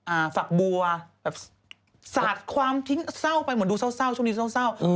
อ่าฝักบัวแบบสาดความทิ้งเศร้าไปเหมือนดูเศร้าช่วงนี้เศร้า